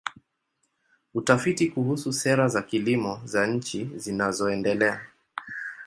Utafiti kuhusu sera za kilimo za nchi zinazoendelea.